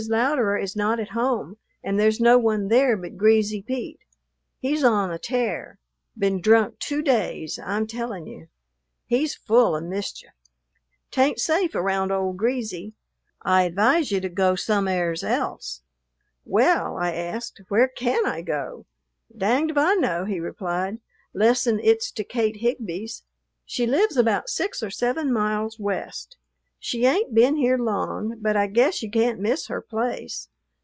Louderer is not at home, and there's no one there but Greasy Pete. He's on a tear; been drunk two days, I'm tellin' you. He's full of mischief. 'T ain't safe around old Greasy. I advise you to go some'eres else." "Well," I asked, "where can I go?" "Danged if I know," he replied, "'lessen it 's to Kate Higbee's. She lives about six or seven miles west. She ain't been here long, but I guess you can't miss her place.